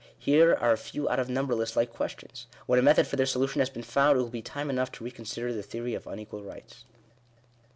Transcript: Here are a few out of numberless like questions. When a method for their solution has been found, it will be time enough to reconsider the theory of un equal rights.